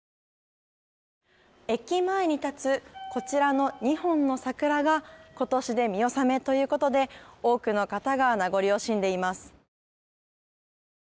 駅前に立つこちらの２本の桜が今年で見納めということで多くの方が名残惜しんでいます。